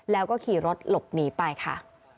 แล้วก็ขี่รถหลบหนีไปค่ะ